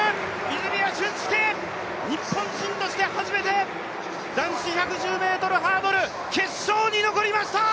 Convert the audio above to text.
泉谷駿介、日本人として初めて男子１１０ｍハードル決勝に残りました！